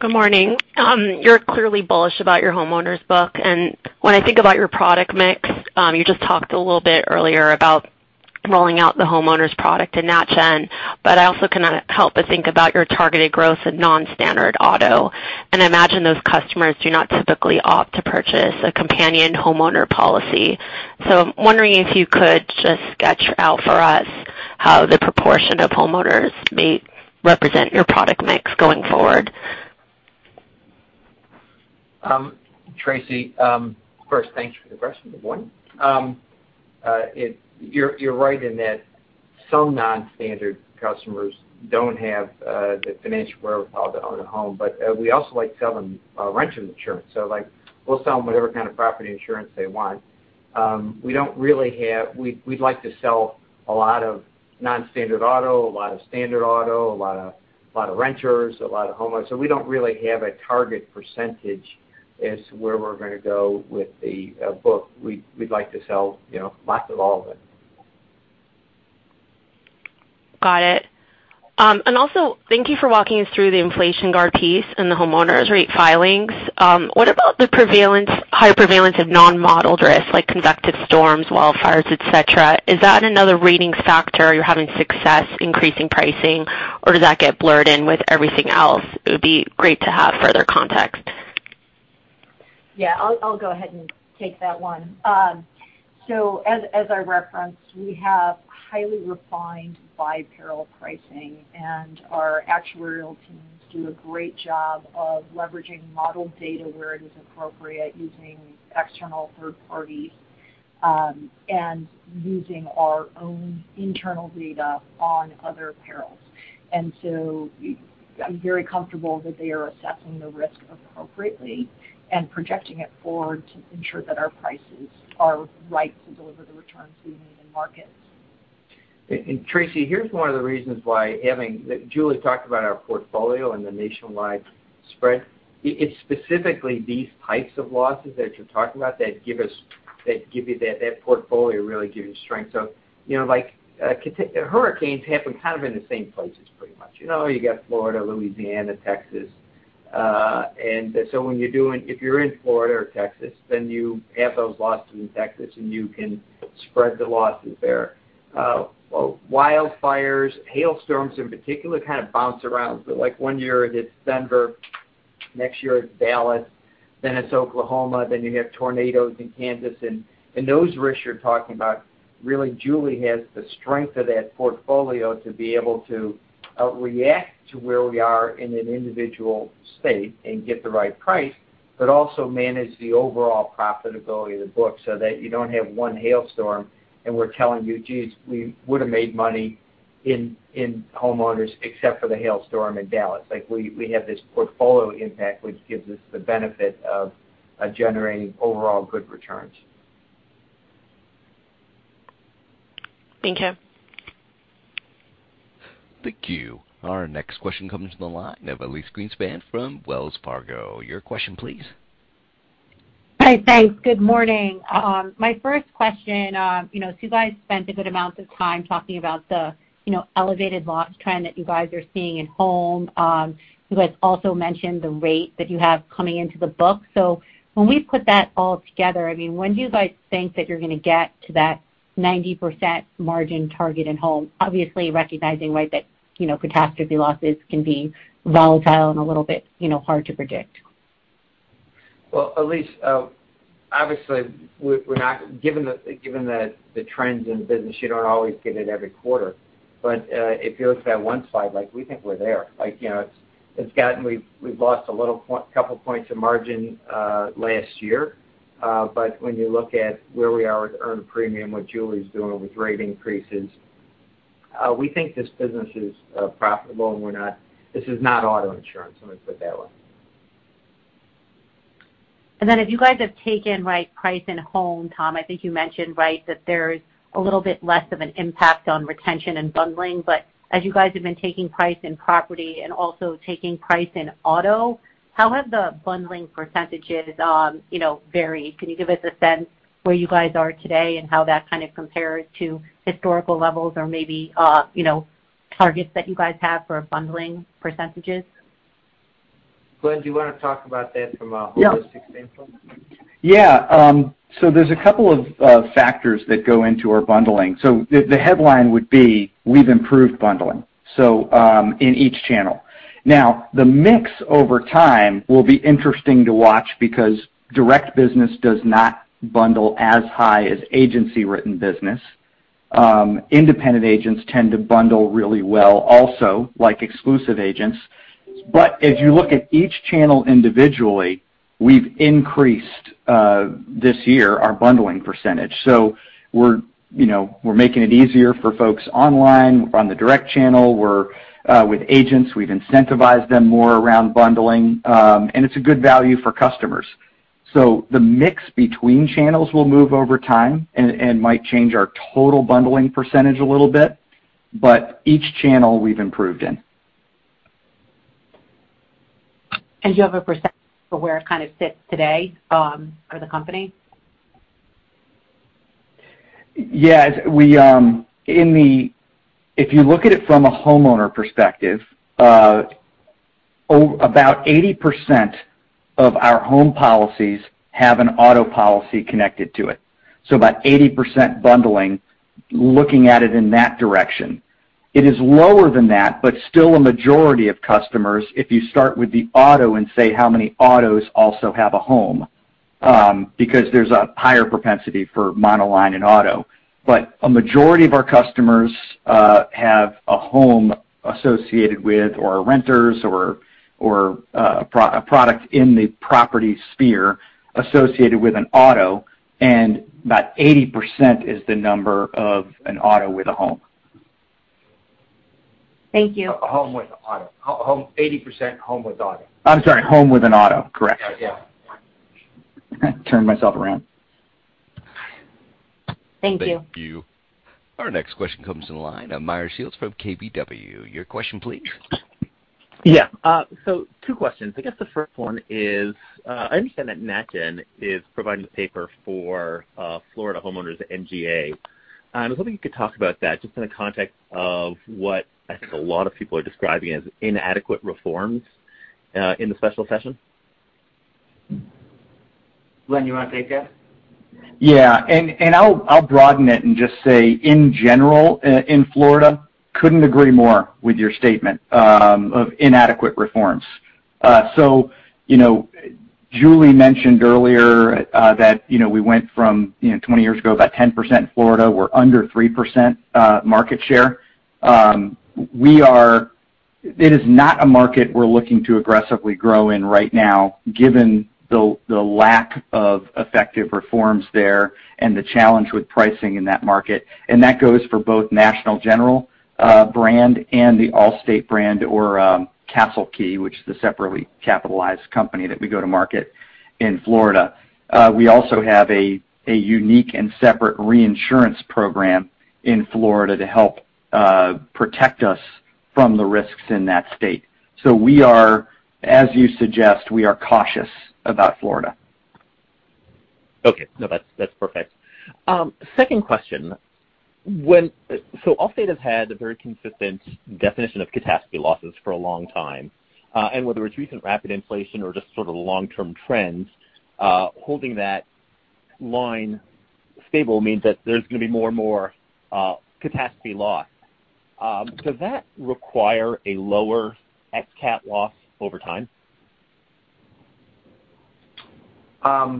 Good morning. You're clearly bullish about your homeowners book, and when I think about your product mix, you just talked a little bit earlier about rolling out the homeowners product in National General, but I also cannot help but think about your targeted growth in non-standard auto. I imagine those customers do not typically opt to purchase a companion homeowner policy. I'm wondering if you could just sketch out for us how the proportion of homeowners may represent your product mix going forward. Tracy, first, thanks for the question. Good morning. You're right in that some non-standard customers don't have the financial wherewithal to own a home. We also like to sell them renters insurance. Like, we'll sell them whatever kind of property insurance they want. We don't really have. We'd like to sell a lot of non-standard auto, a lot of standard auto, a lot of renters, a lot of homeowners. We don't really have a target percentage as to where we're gonna go with the book. We'd like to sell, you know, lots of all of it. Got it. Thank you for walking us through the Inflation Guard piece and the homeowners rate filings. What about the prevalence, high prevalence of non-modeled risks like convective storms, wildfires, et cetera? Is that another rating factor you're having success increasing pricing, or does that get blurred in with everything else? It would be great to have further context. Yeah. I'll go ahead and take that one. As I referenced, we have highly refined by-peril pricing, and our actuarial teams do a great job of leveraging modeled data where it is appropriate using external third parties, and using our own internal data on other perils. I'm very comfortable that they are assessing the risk appropriately and projecting it forward to ensure that our prices are right to deliver the returns we need in markets. Tracy, here's one of the reasons why Julie talked about our portfolio and the nationwide spread. It's specifically these types of losses that you're talking about that give us that portfolio really give you strength. You know, like, hurricanes happen kind of in the same places pretty much. You know, you got Florida, Louisiana, Texas. If you're in Florida or Texas, then you have those losses in Texas, and you can spread the losses there. Wildfires, hailstorms in particular kind of bounce around. Like one year it hits Denver, next year it's Dallas, then it's Oklahoma, then you have tornadoes in Kansas. Those risks you're talking about, really Julie has the strength of that portfolio to be able to react to where we are in an individual state and get the right price. Also manage the overall profitability of the book so that you don't have one hailstorm, and we're telling you, "Geez, we would have made money in homeowners except for the hailstorm in Dallas." Like, we have this portfolio impact, which gives us the benefit of generating overall good returns. Thank you. Thank you. Our next question comes from the line of Elyse Greenspan from Wells Fargo. Your question please. Hi. Thanks. Good morning. My first question, you know, so you guys spent a good amount of time talking about the, you know, elevated loss trend that you guys are seeing in home. You guys also mentioned the rate that you have coming into the book. When we put that all together, I mean, when do you guys think that you're gonna get to that 90% margin target in home? Obviously, recognizing, right, that, you know, catastrophe losses can be volatile and a little bit, you know, hard to predict. Well, Elyse, obviously, we're not, given the trends in the business, you don't always get it every quarter. If you look at that one slide, like we think we're there. Like, you know, it's gotten, we've lost a couple points of margin last year. When you look at where we are with earned premium, what Julie's doing with rate increases, we think this business is profitable, and we're not. This is not auto insurance, let me put it that way. If you guys have taken right price in home, Thomas, I think you mentioned, right, that there's a little bit less of an impact on retention and bundling. As you guys have been taking price in property and also taking price in auto, how have the bundling percentages, you know, varied? Can you give us a sense where you guys are today and how that kind of compares to historical levels or maybe, you know, targets that you guys have for bundling percentages? Glenn, do you wanna talk about that? Yeah. holistic standpoint? Yeah. There's a couple of factors that go into our bundling. The headline would be, we've improved bundling in each channel. Now, the mix over time will be interesting to watch because direct business does not bundle as high as agency-written business. Independent agents tend to bundle really well also, like exclusive agents. If you look at each channel individually, we've increased this year our bundling percentage. We're, you know, we're making it easier for folks online on the direct channel. We're with agents. We've incentivized them more around bundling, and it's a good value for customers. The mix between channels will move over time and might change our total bundling percentage a little bit. Each channel we've improved in. Do you have a percentage for where it kind of sits today, for the company? Yeah. If you look at it from a homeowner perspective, about 80% of our home policies have an auto policy connected to it, so about 80% bundling looking at it in that direction. It is lower than that, but still a majority of customers, if you start with the auto and say how many autos also have a home, because there's a higher propensity for monoline in auto. But a majority of our customers have a home associated with or renters or a product in the property sphere associated with an auto, and about 80% is the number of an auto with a home. Thank you. A home with an auto. 80% home with auto. I'm sorry, home with an auto. Correct. Yeah. Turn myself around. Thank you. Thank you. Our next question comes on the line of Meyer Shields from KBW. Your question, please. Two questions. I guess the first one is, I understand that National General is providing the paper for Florida Homeowners MGA. I was hoping you could talk about that just in the context of what I think a lot of people are describing as inadequate reforms in the special session. Glenn, you wanna take that? Yeah. I'll broaden it and just say, in general, in Florida, couldn't agree more with your statement of inadequate reforms. You know, Julie mentioned earlier, that you know, we went from, you know, 20 years ago, about 10% Florida. We're under 3% market share. It is not a market we're looking to aggressively grow in right now given the lack of effective reforms there and the challenge with pricing in that market. That goes for both National General brand and the Allstate brand or Castle Key, which is the separately capitalized company that we go to market in Florida. We also have a unique and separate reinsurance program in Florida to help protect us from the risks in that state. We are, as you suggest, cautious about Florida. Okay. No. That's perfect. Second question. Allstate has had a very consistent definition of catastrophe losses for a long time. Whether it's recent rapid inflation or just sort of long-term trends, holding that line stable means that there's gonna be more and more catastrophe loss. Does that require a lower ex cat loss over time? That's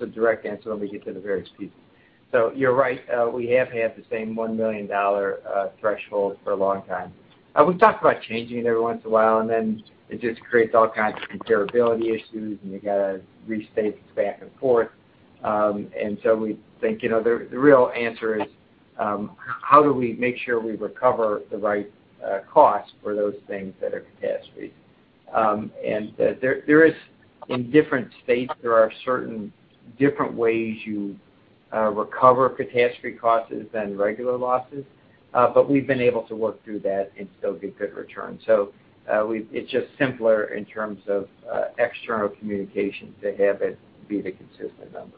a direct answer. Let me get to the various pieces. You're right. We have had the same $1 million threshold for a long time. We've talked about changing it every once in a while, and then it just creates all kinds of comparability issues, and you gotta restate this back and forth. We think, you know, the real answer is, how do we make sure we recover the right costs for those things that are catastrophe? In different states, there are certain different ways you recover catastrophe costs than regular losses. We've been able to work through that and still get good returns. It's just simpler in terms of external communications to have it be the consistent number.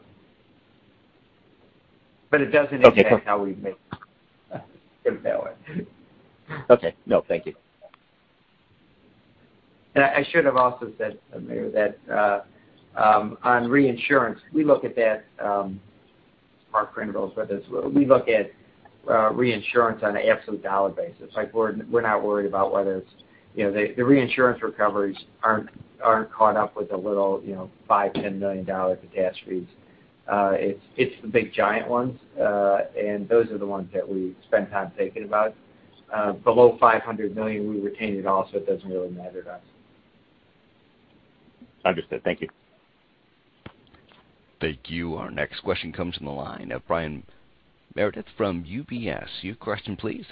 But it doesn't impact how we make it. Put it that way. Okay. No, thank you. I should have also said, Meyer Shields, that on reinsurance, we look at that. Mark Nogal is with us. We look at reinsurance on an absolute dollar basis. Like, we're not worried about whether it's. You know, the reinsurance recoveries aren't caught up with the little, you know, $5-$10 million catastrophes. It's the big giant ones, and those are the ones that we spend time thinking about. Below $500 million, we retain it all, so it doesn't really matter to us. Understood. Thank you. Thank you. Our next question comes from the line of Brian Meredith from UBS. Your question please.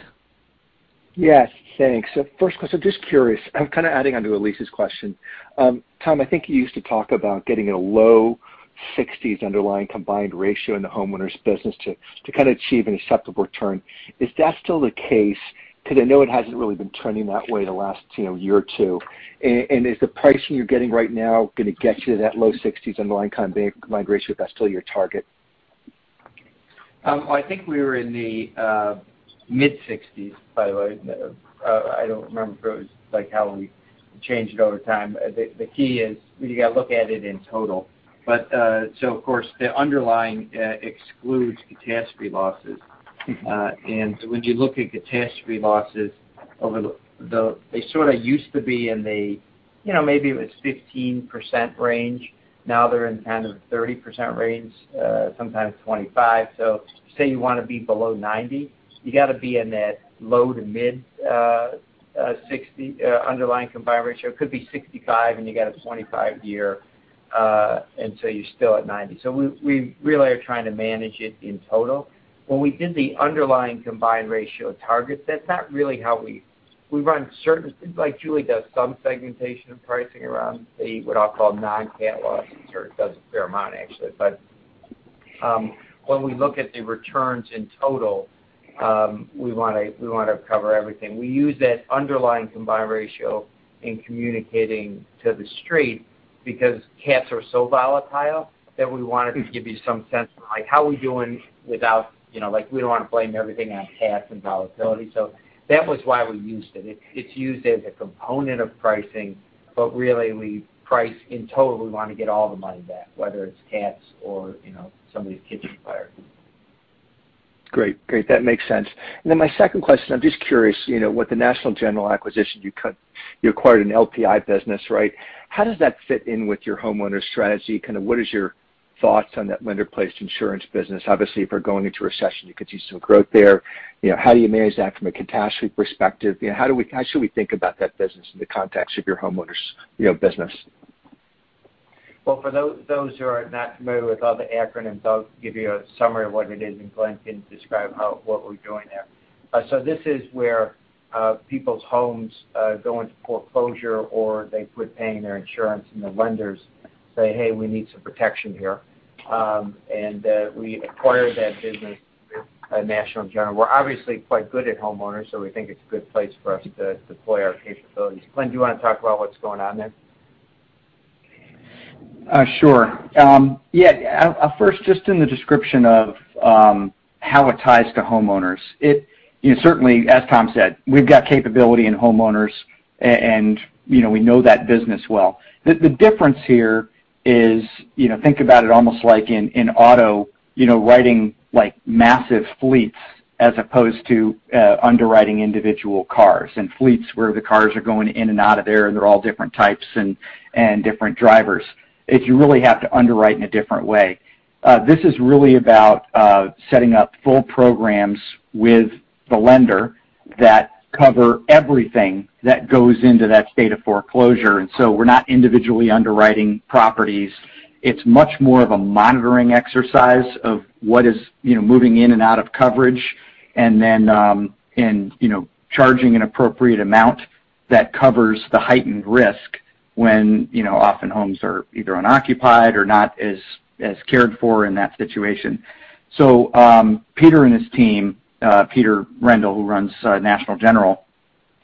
Yes, thanks. First question, just curious, I'm kind of adding on to Elyse's question. Thomas, I think you used to talk about getting a low 60s% underlying combined ratio in the homeowners business to kind of achieve an acceptable return. Is that still the case? 'Cause I know it hasn't really been trending that way the last, you know, year or two. Is the pricing you're getting right now gonna get you to that low 60s% underlying combined ratio if that's still your target? I think we were in the mid-60s, by the way. I don't remember if it was like how we changed it over time. The key is you gotta look at it in total. Of course, the underlying excludes catastrophe losses. When you look at catastrophe losses over the They sort of used to be in the, you know, maybe it was 15% range. Now they're in kind of 30% range, sometimes 25. Say you wanna be below 90, you gotta be in that low-to-mid-60 underlying combined ratio. It could be 65, and you got a 25 year, you're still at 90. We really are trying to manage it in total. When we did the underlying combined ratio targets, that's not really how we We run certain things, like Julie does some segmentation and pricing around what I'll call non-cat losses, or does a fair amount actually. When we look at the returns in total, we wanna cover everything. We use that underlying combined ratio in communicating to The Street because cats are so volatile that we wanted to give you some sense of, like, how we're doing without, you know, like, we don't wanna blame everything on cats and volatility. That was why we used it. It's used as a component of pricing, but really we price in total, we wanna get all the money back, whether it's cats or, you know, somebody's kitchen fire. Great, that makes sense. My second question, I'm just curious, you know, with the National General acquisition, you acquired an LPI business, right? How does that fit in with your homeowners strategy? Kind of what is your thoughts on that lender placed insurance business? Obviously, if we're going into a recession, you could see some growth there. You know, how do you manage that from a catastrophe perspective? You know, how should we think about that business in the context of your homeowners, you know, business? Well, for those who are not familiar with all the acronyms, I'll give you a summary of what it is, and Glenn can describe how what we're doing there. This is where people's homes go into foreclosure or they quit paying their insurance and the lenders say, "Hey, we need some protection here." We acquired that business with National General. We're obviously quite good at homeowners, so we think it's a good place for us to deploy our capabilities. Glenn, do you wanna talk about what's going on there? Sure. First, just in the description of how it ties to homeowners. It, you know, certainly, as Thomas said, we've got capability in homeowners and, you know, we know that business well. The difference here is, you know, think about it almost like in auto, you know, writing like massive fleets as opposed to underwriting individual cars. Fleets where the cars are going in and out of there and they're all different types and different drivers, is you really have to underwrite in a different way. This is really about setting up full programs with the lender that cover everything that goes into that state of foreclosure. We're not individually underwriting properties. It's much more of a monitoring exercise of what is, you know, moving in and out of coverage, and then, you know, charging an appropriate amount that covers the heightened risk when, you know, often homes are either unoccupied or not as cared for in that situation. Peter and his team, Peter Rendall, who runs National General,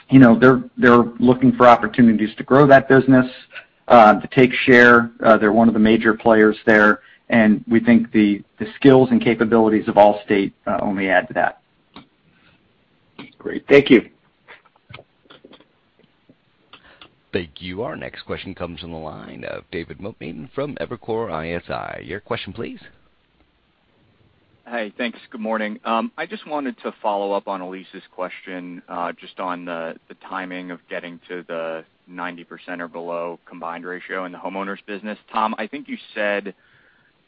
you know, they're looking for opportunities to grow that business to take share. They're one of the major players there, and we think the skills and capabilities of Allstate only add to that. Great. Thank you. Thank you. Our next question comes from the line of David Motemaden from Evercore ISI. Your question please. Hey, thanks. Good morning. I just wanted to follow up on Elyse's question, just on the timing of getting to the 90% or below combined ratio in the homeowners business. Thomas, I think you said,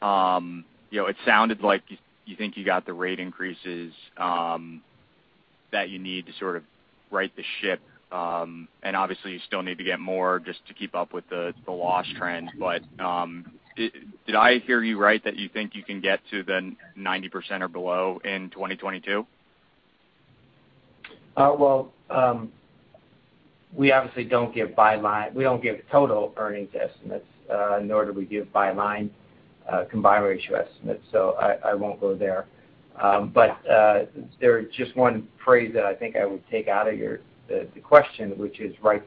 you know, it sounded like you think you got the rate increases that you need to sort of right the ship, and obviously you still need to get more just to keep up with the loss trend. Did I hear you right that you think you can get to the 90% or below in 2022? We obviously don't give by line total earnings estimates, nor do we give by line combined ratio estimates, so I won't go there. There is just one phrase that I think I would take out of the question, which is right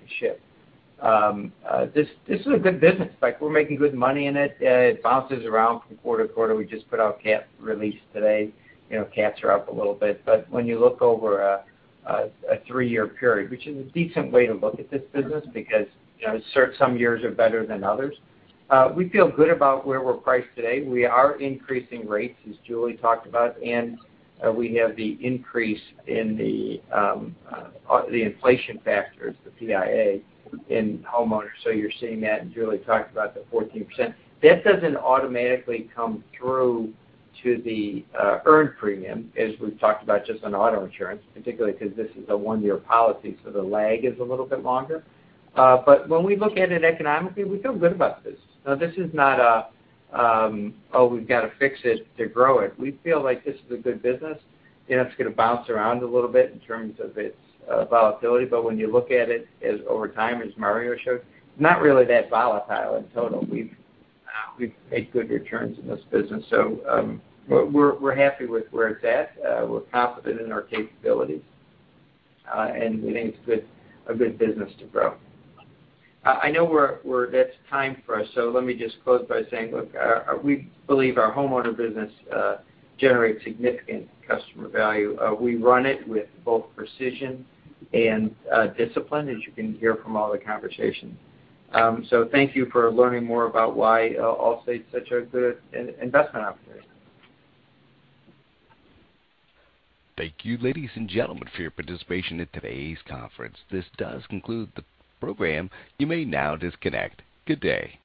the ship. This is a good business. Like, we're making good money in it. It bounces around from quarter to quarter. We just put out cat release today. You know, cats are up a little bit. When you look over a three-year period, which is a decent way to look at this business because, you know, some years are better than others, we feel good about where we're priced today. We are increasing rates, as Julie talked about, and we have the increase in the inflation factors, the PIA in homeowners. You're seeing that, and Julie talked about the 14%. That doesn't automatically come through to the earned premium, as we've talked about just on auto insurance, particularly because this is a one-year policy, so the lag is a little bit longer. When we look at it economically, we feel good about this. Now, this is not a oh, we've got to fix it to grow it. We feel like this is a good business. You know, it's gonna bounce around a little bit in terms of its volatility, but when you look at it over time, as Mario showed, not really that volatile in total. We've made good returns in this business. We're happy with where it's at. We're confident in our capabilities, and we think it's a good business to grow. I know that's time for us, so let me just close by saying, look, we believe our homeowner business generates significant customer value. We run it with both precision and discipline, as you can hear from all the conversations. Thank you for learning more about why Allstate's such a good investment opportunity. Thank you, ladies and gentlemen, for your participation in today's conference. This does conclude the program. You may now disconnect. Good day.